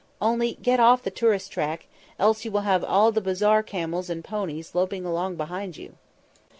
Only get off the tourist track, else you will have all the bazaar camels and ponies loping along behind you.